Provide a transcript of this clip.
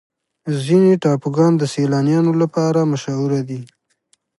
ځینې ټاپوګان د سیلانیانو لپاره مشهوره دي.